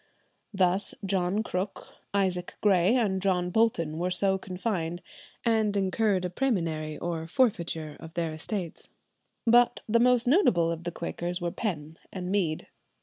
Thus John Crook, Isaac Grey, and John Bolton were so confined, and incurred a præmunire or forfeiture of their estates. But the most notable of the Quakers were Penn and Mead.